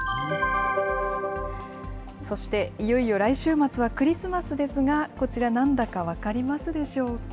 そしていよいよ来週末はクリスマスですが、こちら、なんだか分かりますでしょうか。